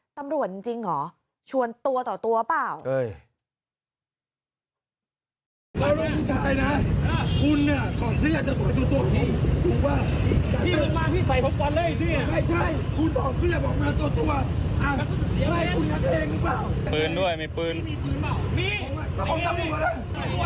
ตำรวจจริงหรอชวนตัวต่อตัวป่าว